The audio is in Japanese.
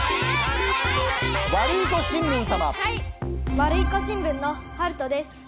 ワルイコ新聞のはるとです。